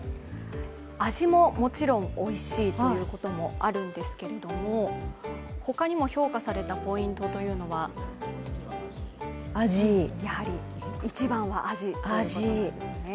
味ももちろんおいしいということもあるんですけれども他にも評価されたポイントというのはやはり一番は味ということなんですね。